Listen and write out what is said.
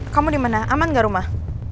kamu dimana aman gak rumah